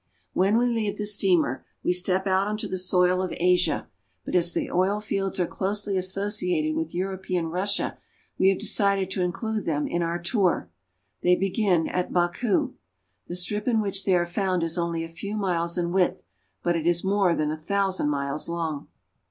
When we leave the steamer we step out on the soil of Asia, but as the oil fields are closely associated with Euro pean Russia, we have decided to include them in our tour. They begin at Baku. The strip in which they are found is only a few miles in width, but it is more than a thousand miles long.